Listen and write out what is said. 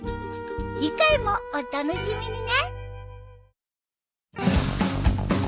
次回もお楽しみにね。